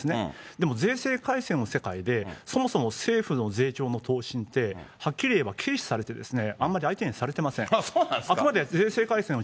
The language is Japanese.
でも税制改正の世界で、そもそも政府の税調の答申ってはっきり言えば軽視されてあんまり相手にされていません。